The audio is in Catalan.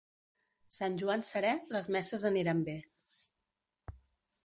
Sant Joan serè, les messes aniran bé.